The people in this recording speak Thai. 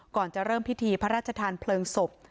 ก่อนจะเริ่มพิธีพระราชทานเพลิงศพ